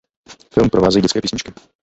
Film provázejí dětské písničky.